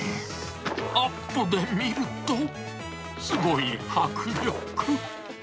アップで見ると、すごい迫力。